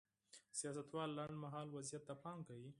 سیاستوال لنډ مهال وضعیت ته پام کوي.